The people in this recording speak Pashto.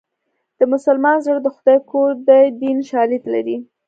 د مسلمان زړه د خدای کور دی دیني شالید لري